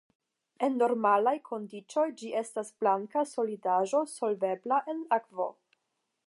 En normalaj kondiĉoj ĝi estas blanka solidaĵo solvebla en akvo.